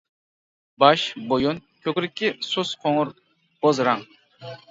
باش، بويۇن، كۆكرىكى سۇس قوڭۇر بوز رەڭ.